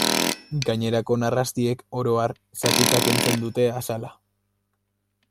Gainerako narrastiek, oro har, zatika kentzen dute azala.